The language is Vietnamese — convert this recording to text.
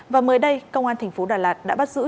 và mới đây công an tp đà lạt đã bắt giữ